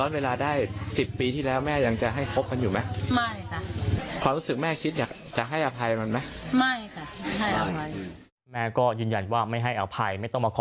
ไม่ให้อาภัยแม่ก็ยืนยันว่าไม่ให้อาภัยไม่ต้องมาขอ